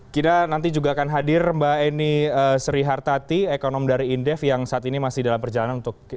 kita nanti juga akan hadir mbak eni srihartati ekonom dari indef yang saat ini masih dalam perjalanan untuk